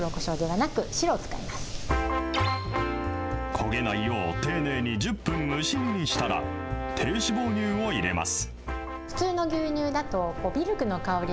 焦げないよう丁寧に１０分蒸し煮にしたら、低脂肪乳を入れます。